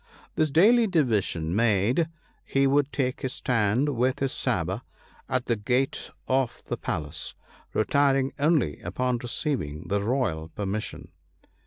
This daily division made, he would take his stand with his sabre at the gate of the palace; retiring only upon receiving the royal permission.